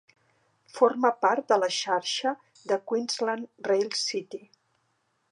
Forma part de la xarxa de Queensland Rail City.